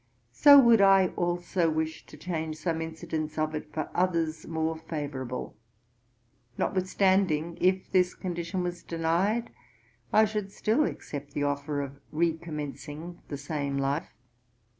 So would I also wish to change some incidents of it for others more favourable Notwithstanding, if this condition was denied, I should still accept the offer of re commencing the same life.'